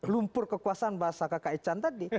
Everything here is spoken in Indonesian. lumpur kekuasaan bahasa kakak ecan tadi